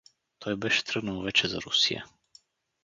Той беше тръгнал вече за Русия.